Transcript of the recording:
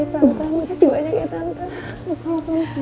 bahaya tante makasih banyak ya tante